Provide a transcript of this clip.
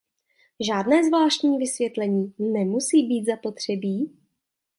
Žádné zvláštní vysvětlení nemusí být zapotřebí.